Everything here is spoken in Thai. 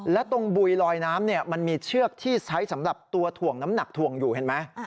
และตรงบุยลอยน้ำมันมีเชือกที่ใช้สำหรับตัวถ่วงน้ำหนักถ่วงอยู่เห็นไหม